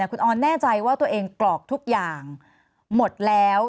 คุณออนแน่ใจว่าตัวเองกรอกทุกอย่างหมดแล้ว